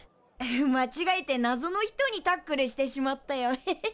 まちがえてなぞの人にタックルしてしまったよヘヘヘヘ。